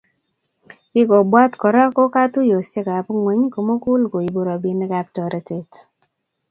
Kingobwat Kora ko katuiyosiekab ngwony komugul koibu robinikab toretet